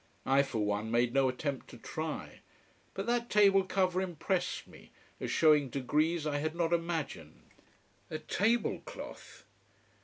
I for one made no attempt to try. But that table cover impressed me, as showing degrees I had not imagined. A table cloth.